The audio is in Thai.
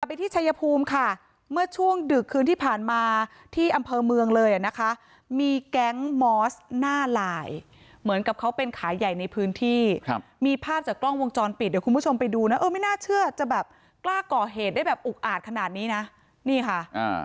ไปที่ชายภูมิค่ะเมื่อช่วงดึกคืนที่ผ่านมาที่อำเภอเมืองเลยอ่ะนะคะมีแก๊งมอสหน้าลายเหมือนกับเขาเป็นขายใหญ่ในพื้นที่ครับมีภาพจากกล้องวงจรปิดเดี๋ยวคุณผู้ชมไปดูนะเออไม่น่าเชื่อจะแบบกล้าก่อเหตุได้แบบอุกอาจขนาดนี้นะนี่ค่ะอ่า